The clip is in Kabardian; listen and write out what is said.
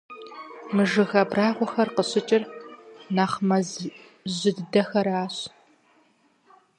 Мы жыг абрагъуэхэр къыщыкӀыр нэхъ мэз жьы дыдэхэращ.